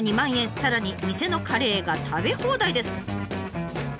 さらに店のカレーが食べ放題です。